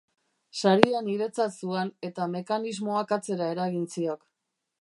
Saria niretzat zuan, eta mekanismoak atzera eragin ziok.